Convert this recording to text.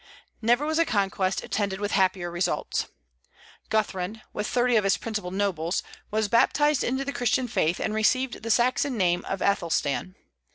Never was a conquest attended with happier results. Guthrun (with thirty of his principal nobles) was baptized into the Christian faith, and received the Saxon name of Athelstan.